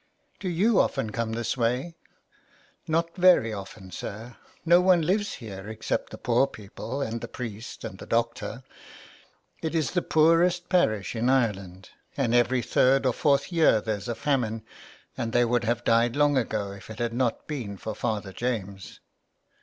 " Do you often come this way ?''" Not very often, sir. No one lives here except the poor people, and the priest, and the doctor. It is the poorest parish in Ireland, and every third or fourth year there's a famine, and they would have died long ago if it had not been for Father James."